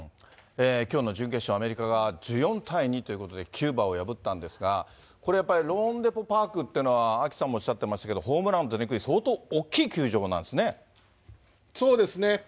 きょうの準決勝、アメリカが１４対２ということで、キューバを破ったんですが、これやっぱり、ローンデポ・パークっていうのは、アキさんもおっしゃってますけど、ホームラン出にくい、相当大きいそうですね。